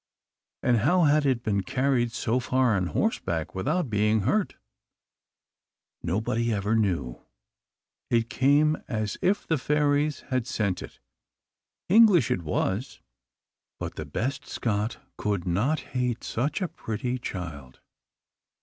and how had it been carried so far on horseback without being hurt? Nobody ever knew. It came as if the fairies had sent it. English it was, but the best Scot could not hate such a pretty child.